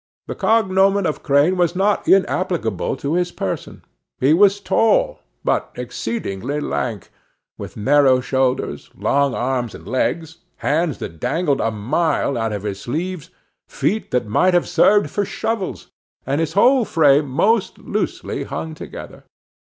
The cognomen of Crane was not inapplicable to his person. He was tall, but exceedingly lank, with narrow shoulders, long arms and legs, hands that dangled a mile out of his sleeves, feet that might have served for shovels, and his whole frame most loosely hung together.